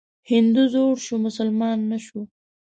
هندو زوړ شو مسلمان نه شو.